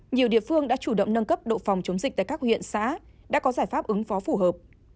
nhiều địa phương đã chủ động nâng cấp độ phòng chống dịch tại các huyện xã đã có giải pháp ứng phó phù hợp